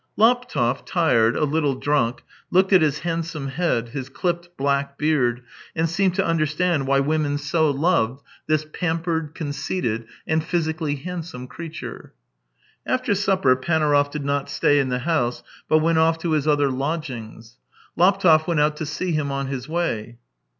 ..." Laptev, tired, a little drunk, looked at his handsome head, his clipped black beard, and seemed to understand why women so loved this THREE YEARS 191 pampered, conceited, and physically handsome creature. After supper Panaurov did not stay in the house, but went off to his other lodgings. Laptev went out to see him on his way.